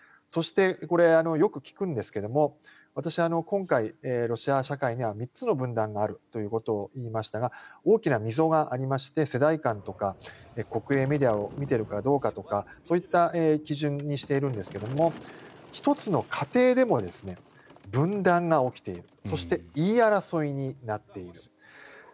そして、これはよく聞くんですが私、今回ロシア社会には３つの分断があるということを言いましたが大きな溝がありまして世代間とか国営メディアを見ているかどうかとかそういった基準にしているんですが１つの家庭でも分断が起きているそして、言い争いになっている。